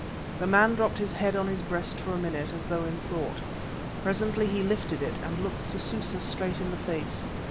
The man dropped his head on his breast for a minute as though in thought. Presently he lifted it and looked Sususa straight in the face.